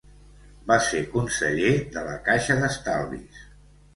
Va ser conseller de la Caixa d'Estalvis.